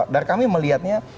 dan kami melihatnya